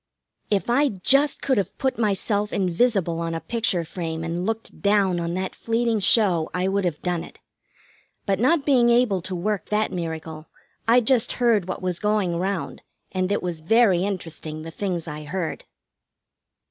If I just could have put myself invisible on a picture frame and looked down on that fleeting show I would have done it. But not being able to work that miracle, I just heard what was going round, and it was very interesting, the things I heard.